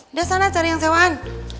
udah sana cari yang sewaan